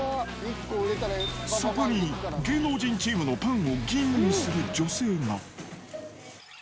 そこに芸能人チームのパンを吟味する女性が。